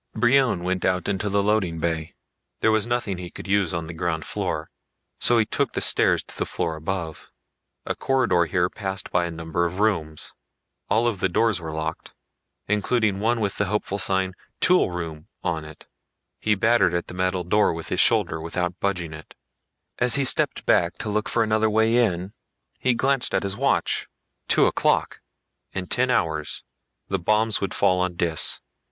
Brion went out into the loading bay. There was nothing he could use on the ground floor, so he took the stairs to the floor above. A corridor here passed by a number of rooms. All of the doors were locked, including one with the hopeful sign TOOL ROOM on it. He battered at the metal door with his shoulder without budging it. As he stepped back to look for another way in, he glanced at his watch. Two o'clock! In ten hours the bombs would fall on Dis.